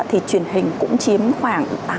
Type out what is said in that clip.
thì truyền hình cũng chiếm khoảng tám mươi